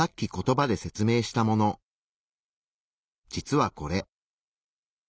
実はこれ。